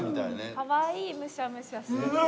かわいいむしゃむしゃしてて。